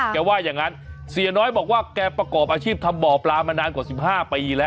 ว่าอย่างนั้นเสียน้อยบอกว่าแกประกอบอาชีพทำบ่อปลามานานกว่า๑๕ปีแล้ว